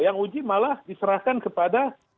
yang uji malah diserahkan kepada